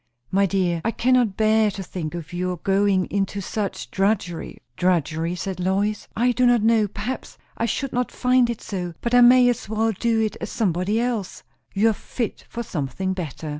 "My dear, I cannot bear to think of your going into such drudgery!" "Drudgery?" said Lois. "I do not know, perhaps I should not find it so. But I may as well do it as somebody else." "You are fit for something better."